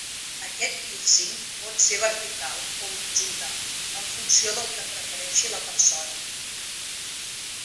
Aquest pírcing pot ser vertical o horitzontal en funció del que prefereixi la persona.